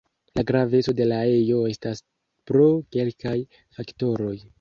La graveco de la ejo estas pro kelkaj faktoroj.